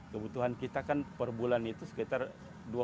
kebutuhan kita kan per bulan itu sekitar dua empat juta